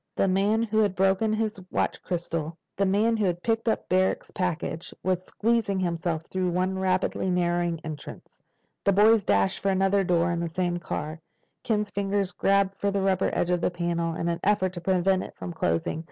The man who had broken his watch crystal—the man who had picked up Barrack's package—was squeezing himself through one rapidly narrowing entrance. The boys dashed for another door in the same car. Ken's fingers grabbed for the rubber edge of the panel in an effort to prevent it from closing.